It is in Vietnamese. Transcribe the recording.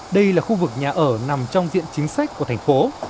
đây là khu vực nhà ở nằm trong diện chính sách của thành phố